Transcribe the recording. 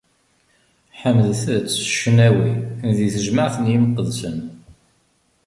Ḥemdet- t s ccnawi di tejmaɛt n yimqedsen!